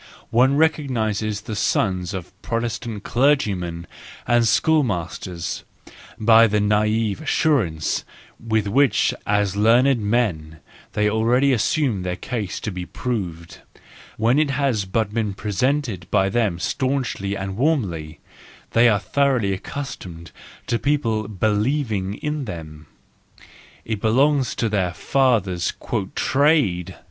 One recognises the sons of Protestant clergymen and schoolmasters by the naive as¬ surance with which as learned men they already assume their case to be proved, when it has but been presented by them staunchly and warmly: they are thoroughly accustomed to people believing in them,—it belonged to their fathers 1 " trade